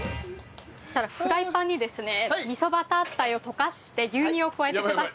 そしたらフライパンにですね味噌バターっ鯛を溶かして牛乳を加えてください。